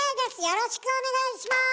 よろしくお願いします。